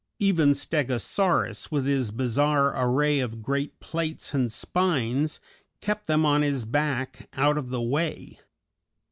Even Stegosaurus, with his bizarre array of great plates and spines, kept them on his back, out of the way.